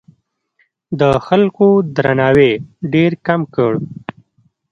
د خلکو درناوی ډېر کم کړ.